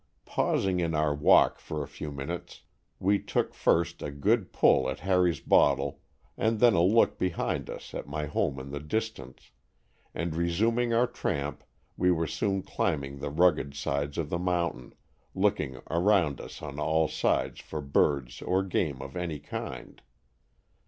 Pausing in our walk for a few minutes, we took first a good pull at Harry's bottle and then a look be hind us at my home in the distance, and resuming our tramp we were soon climb ing the rugged sides of the mountain, looking around us on all sides for birds or game of any kind.